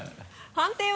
判定は？